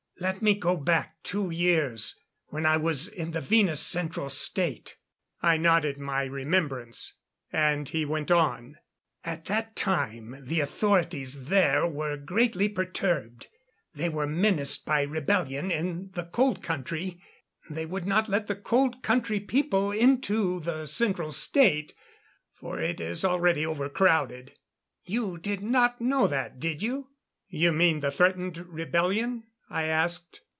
Let me go back two years when I was in the Venus Central State." I nodded my remembrance; and he went on: "At that time the authorities there were greatly perturbed. They were menaced by rebellion in the Cold Country. They would not let the Cold Country people into the Central State, for it is already overcrowded. You did not know that, did you?" "You mean the threatened rebellion?" I asked.